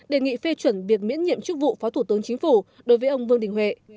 đề nghị phê chuẩn việc miễn nhiệm chức vụ phó thủ tướng chính phủ đối với ông vương đình huệ